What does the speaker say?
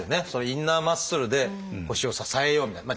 インナーマッスルで腰を支えようみたいな。